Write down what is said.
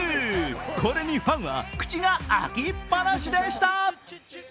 これにファンは口が開きっぱなしでした。